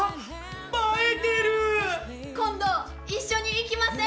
今度一緒に行きません？